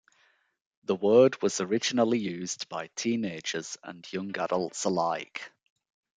The word was originally used by teenagers and young adults alike.